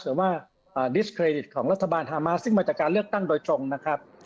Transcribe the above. หรือว่าดิสเครดิตของรัฐบาลฮามาสซึ่งมาจากการเลือกตั้งโดยตรงนะครับ